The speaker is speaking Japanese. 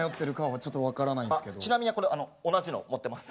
ちなみにこれ同じの持ってます。